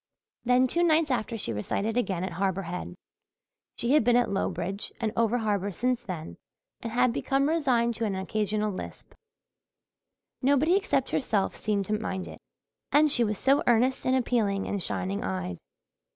Then two nights after she recited again at Harbour Head. She had been at Lowbridge and over harbour since then and had become resigned to an occasional lisp. Nobody except herself seemed to mind it. And she was so earnest and appealing and shining eyed!